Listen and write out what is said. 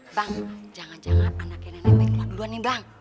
bang jangan jangan anaknya nenek bengkelah duluan nih bang